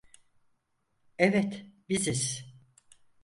Evet, biziz.